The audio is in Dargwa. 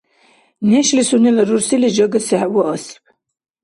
Нешли сунела рурсилис жагаси хӀева асиб.